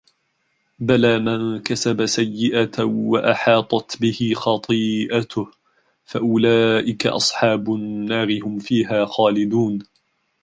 بلى من كسب سيئة وأحاطت به خطيئته فأولئك أصحاب النار هم فيها خالدون